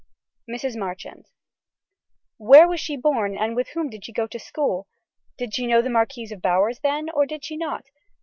(Mrs. Marchand.) Where was she born and with whom did she go to school. Did she know the Marquise of Bowers then or did she not.